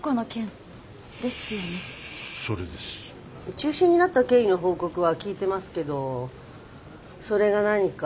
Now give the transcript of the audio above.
中止になった経緯の報告は聞いてますけどそれが何か？